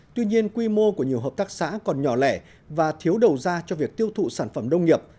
tuy nhiên quy mô của nhiều hợp tác xã còn nhỏ lẻ và thiếu đầu ra cho việc tiêu thụ sản phẩm nông nghiệp